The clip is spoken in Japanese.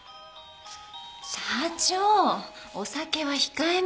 社長お酒は控えめに。